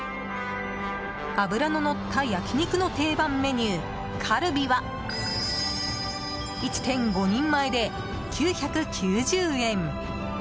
脂ののった焼き肉の定番メニュー、カルビは１．５人前で９９０円。